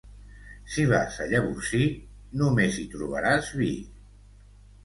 Si vas a Llavorsí, només hi trobaràs vi.